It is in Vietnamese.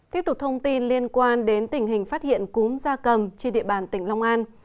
tiếp tục thông tin liên quan đến tình hình phát hiện cúm da cầm trên địa bàn tỉnh long an